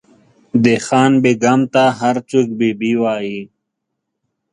د خان بېګم ته هر څوک بي بي وایي.